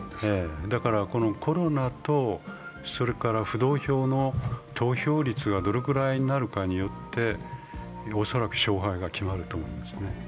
だからコロナと浮動票の投票率がどのくらいになるかによって恐らく勝敗が決まると思うんですね。